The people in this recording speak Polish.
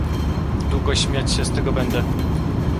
"Długo śmiać się z tego będę."